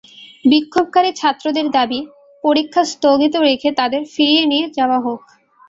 বিক্ষোভকারী ছাত্রদের দাবি, পরীক্ষা স্থগিত রেখে তাঁদের ফিরিয়ে নিয়ে যাওয়া হোক।